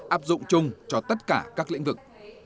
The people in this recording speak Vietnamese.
áp dụng chung cho tất cả các lĩnh vực